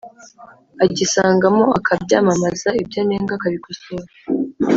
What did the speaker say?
agisangamo akabyamamaza, ibyo anenga akabikosora,